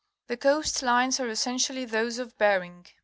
The coast lines are essentially those of Bering.